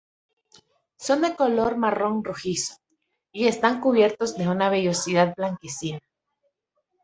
Son de color marrón rojizo, y están cubiertos de una vellosidad blanquecina.